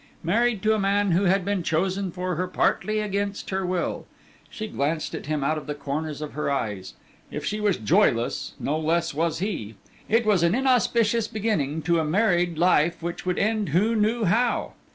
Married to a man who had been chosen for her partly against her will. She glanced at him out of the corners of her eyes; if she was joyless, no less was he. It was an inauspicious beginning to a married life which would end who knew how?